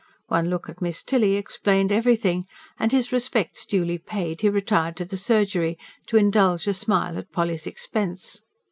One look at Miss Tilly explained everything, and his respects duly paid he retired to the surgery, to indulge a smile at Polly's expense.